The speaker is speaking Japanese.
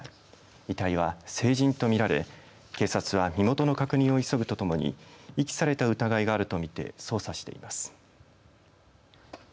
遺体は成人とみられ、警察は身元の確認を急ぐとともに遺棄された疑いがあるとみて捜査しています。